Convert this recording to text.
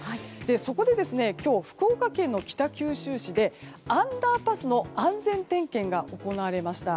そこで、今日福岡県北九州市でアンダーパスの安全点検が行われました。